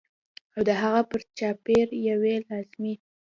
او د هغه پر چاپېر یوې لازمي